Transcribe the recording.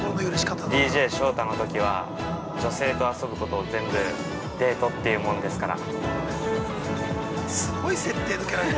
ＤＪショウタのときは女性と遊ぶことを全部デートって言うもんですから。